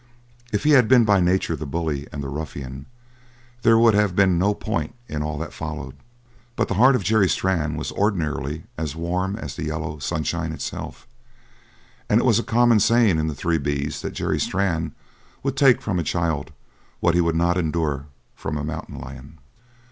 If he had been by nature the bully and the ruffian there would have been no point in all that followed, but the heart of Jerry Strann was ordinarily as warm as the yellow sunshine itself; and it was a common saying in the Three B's that Jerry Strann would take from a child what he would not endure from a mountain lion.